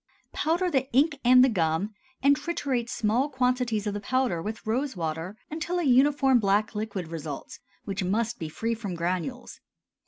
Powder the ink and the gum, and triturate small quantities of the powder with rose water until a uniform black liquid results, which must be free from granules.